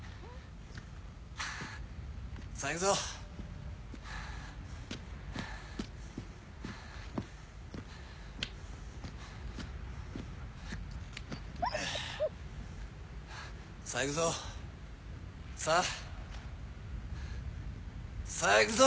さっ行くぞさっ行くぞさあさあ行くぞ！